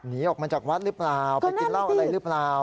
หนีออกมาจากวัดหรือเปล่าไปกินเหล้าอะไรหรือเปล่า